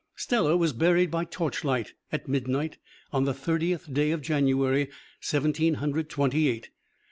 Stella was buried by torchlight, at midnight, on the Thirtieth day of January, Seventeen Hundred Twenty eight.